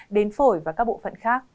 đến phổi và các bộ phận